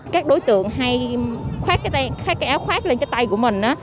các đối tượng hay khoát cái áo khoát lên cái tay của mình